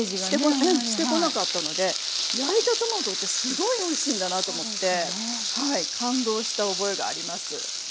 うんしてこなかったので焼いたトマトってすごいおいしいんだなと思って感動した覚えがあります。